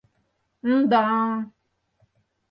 — Н-да...